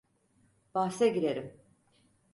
Bahse girerim.